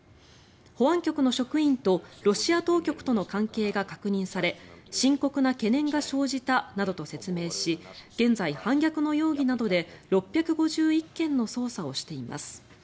保安局の職員とロシア当局との関係が確認され深刻な懸念が生じたなどと説明し現在、反逆の容疑などで６５１件の捜査をしています。